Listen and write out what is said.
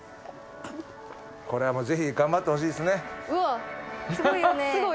これはもうぜひ頑張ってほしいですね。